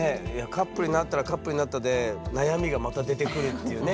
カップルになったらカップルになったで悩みがまた出てくるっていうね。